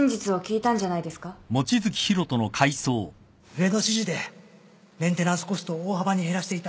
上の指示でメンテナンスコストを大幅に減らしていた